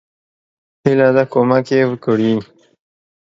هیله ده کومک یی وکړي.